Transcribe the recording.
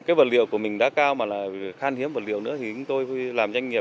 cái vật liệu của mình đã cao mà là khan hiếm vật liệu nữa thì chúng tôi làm doanh nghiệp